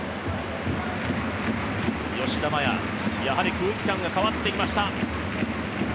吉田麻也、やはり空気感が変わってきました。